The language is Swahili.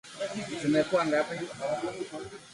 Jackson, mwanamke wa kwanza mweusi kuteuliwa katika kiti cha